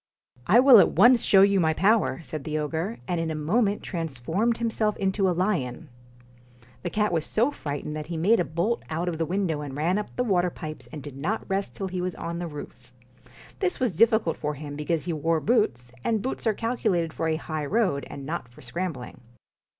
' I will at once show you my power,' said the ogre ; and in a moment transformed himself into a lion. The cat was so frightened that he made a bolt out of the window and ran up the water pipes and did not rest till he was on the roof. This was difficult for him, because he wore boots, and boots are calculated for a high road, and not for scram bling.